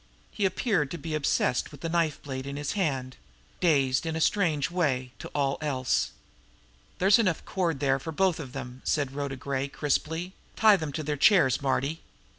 He appeared to be obsessed with the knife blade in his hand dazed in a strange way to all else. "There's enough cord there for both of them," said Rhoda Gray crisply. "Tie them in their chairs, Marty."